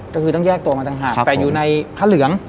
ก็คือต้องแยกตัวมาต่างหากแต่อยู่ในผ้าเหลือง